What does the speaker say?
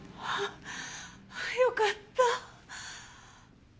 あっよかった。